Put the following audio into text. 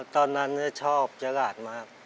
ตอนนั้นชอบเจอร์หลาดมาก